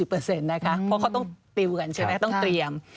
เพราะเขาต้องติวกันใช่ไหมต้องเตรียม